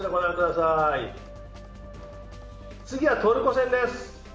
次はトルコ戦です。